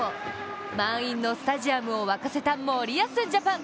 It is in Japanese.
満員のスタジアムを沸かせた森保ジャパン。